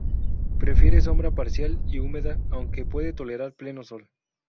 Prefiere sombra parcial y humedad, aunque puede tolerar pleno sol.